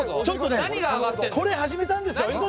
ちょっとねこれ始めたんですよ。